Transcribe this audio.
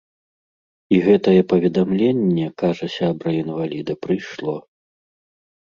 І гэтае паведамленне, кажа сябра інваліда, прыйшло.